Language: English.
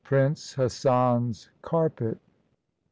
PRINCE Hassan's carpet.